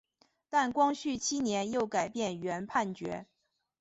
但光绪七年又改变原判决。